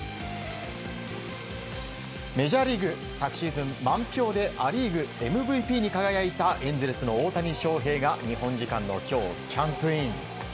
メジャーリーグ昨シーズン満票でア・リーグＭＶＰに輝いたエンゼルスの大谷翔平が日本時間の今日キャンプイン。